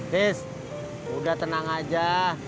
dis udah tenang aja